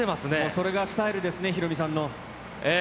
それがスタイルですね、ヒロミさんの。